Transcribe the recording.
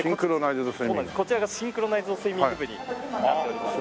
こちらがシンクロナイズドスイミング部になっております。